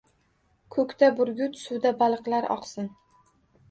Ko‘kda – burgut, suvda baliqlar oqsin.